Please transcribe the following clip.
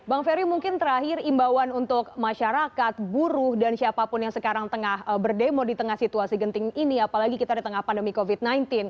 bang ferry mungkin terakhir imbauan untuk masyarakat buruh dan siapapun yang sekarang tengah berdemo di tengah situasi genting ini apalagi kita di tengah pandemi covid sembilan belas